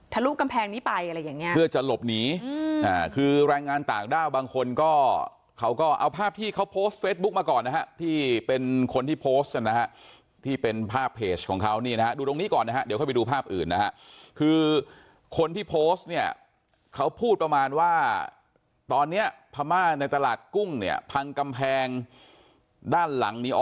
ลุกำแพงนี้ไปอะไรอย่างเงี้ยเพื่อจะหลบหนีคือแรงงานต่างด้าวบางคนก็เขาก็เอาภาพที่เขาโพสต์เฟซบุ๊กมาก่อนนะฮะที่เป็นคนที่โพสต์นะฮะที่เป็นภาพเพจของเขานี่นะฮะดูตรงนี้ก่อนนะฮะเดี๋ยวค่อยไปดูภาพอื่นนะฮะคือคนที่โพสต์เนี่ยเขาพูดประมาณว่าตอนเนี้ยพม่าในตลาดกุ้งเนี่ยพังกำแพงด้านหลังนี้อ